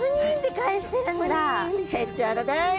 へっちゃらだい。